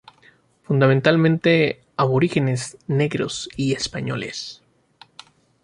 Fundamentalmente aborígenes, negros y españoles.